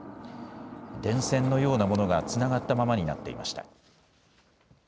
電線のようなものがつながったままになっていました。